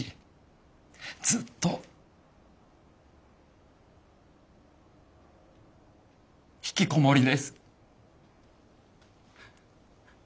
ずっとひきこもりです。